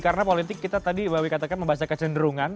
karena politik kita tadi mbak bewi katakan membahas kecenderungan